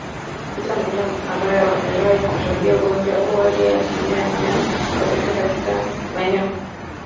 Katika maeneo ambayo hayajawahi kushuhudia ugonjwa huu hadi asilimia ya wanyama huathirika Katika maeneo